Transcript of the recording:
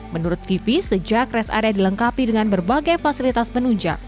menurut vivi sejak rest area dilengkapi dengan berbagai fasilitas penunjang